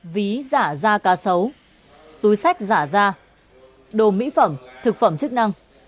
ví giả da ca sấu túi sách giả da đồ mỹ phẩm thực phẩm chức năng